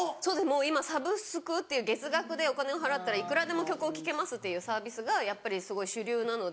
もう今サブスクっていう月額でお金を払ったらいくらでも曲を聴けますっていうサービスがやっぱり主流なので。